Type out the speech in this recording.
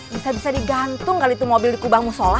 bisa bisa digantung kali itu mobil di kubang musola